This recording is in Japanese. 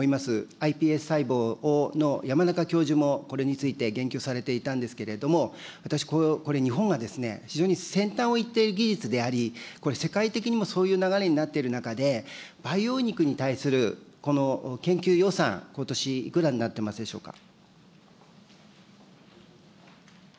ｉＰＳ細胞の山中教授も、これについて言及されていたんですけれども、私、これ、日本が非常に先端をいっている技術であり、世界的にもそういう流れになっている中で、培養肉に対する研究予算、ことし、いくらになってますでしょうか。